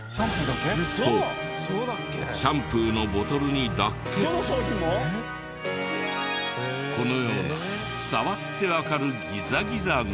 そうシャンプーのボトルにだけこのような触ってわかるギザギザが。